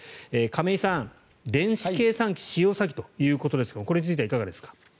亀井さん、電子計算機使用詐欺ということですがこれについてはいかがですか。